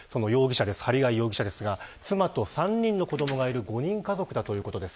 針谷容疑者ですが、妻と３人の子どもがいる５人家族だということです。